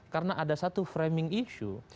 karena ada satu framing issue